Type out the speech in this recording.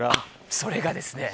それがですね！